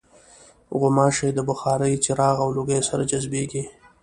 غوماشې د بخارۍ، څراغ او لوګیو سره جذبېږي.